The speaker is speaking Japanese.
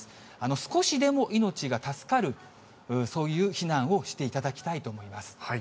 少しでも命が助かる、そういう避難をしていただきと思います。